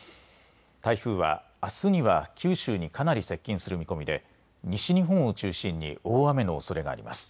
台風はあすには九州にかなり接近する見込みで西日本を中心に大雨のおそれがあります。